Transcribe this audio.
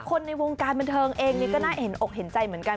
ในวงการบันเทิงเองนี่ก็น่าเห็นอกเห็นใจเหมือนกัน